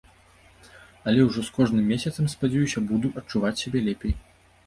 Але ўжо з кожным месяцам, спадзяюся, буду адчуваць сябе лепей.